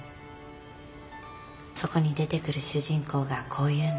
そこに出てくる主人公がこう言うの。